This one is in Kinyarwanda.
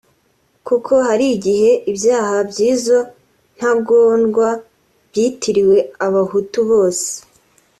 kuko hari igihe ibyaha by’izo ntagondwa byitiriwe Abahutu bose